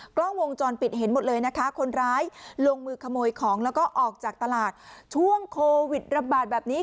กล้องวงจรปิดเห็นหมดเลยนะคะคนร้ายลงมือขโมยของแล้วก็ออกจากตลาดช่วงโควิดระบาดแบบนี้